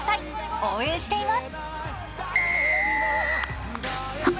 応援しています。